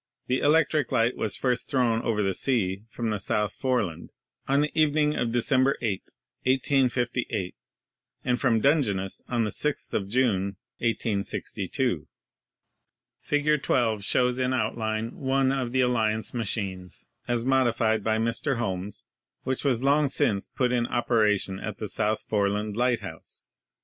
The electric light was first thrown over the sea from the South Foreland on the evening of December 8, 1858, and from Dungeness on the 6th of June, 1862. Fig. 12 shows in outline one of the Alli ance machines, as modified by Mr. Holmes, which was long since put in operation at the South Foreland light house.